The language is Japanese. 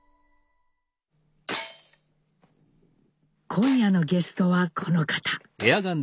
今夜のゲストはこの方。